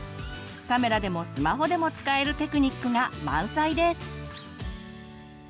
カメラでもスマホでも使えるテクニックが満載です！